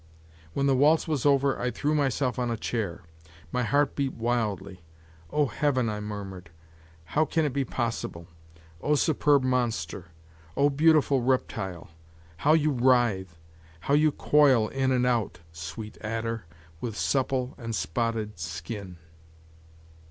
When the waltz was over I threw myself on a chair; my heart beat wildly. "O, Heaven!" I murmured, "how can it be possible! O, superb monster! O, beautiful reptile! How you writhe, how you coil in and out, sweet adder, with supple and spotted skin!